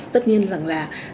tất nhiên rằng là